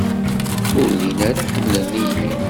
Ur llin ara ḥemmlen-iyi.